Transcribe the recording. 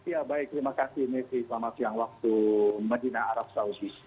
ya baik terima kasih mevri selamat siang waktu medinah arab saudi